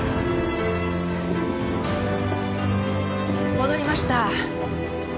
戻りました。